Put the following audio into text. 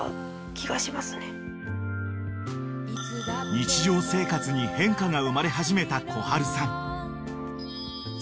［日常生活に変化が生まれ始めたこはるさん］